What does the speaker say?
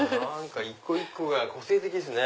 一個一個が個性的ですね。